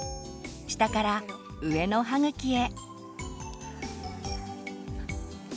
下から上の歯茎へ。